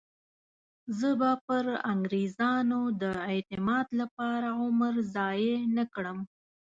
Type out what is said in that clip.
زه به پر انګریزانو د اعتماد لپاره عمر ضایع نه کړم.